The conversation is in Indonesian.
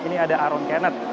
ini ada aaron kennett